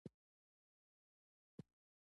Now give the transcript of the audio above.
ازادي راډیو د سوداګري د ستونزو رېښه بیان کړې.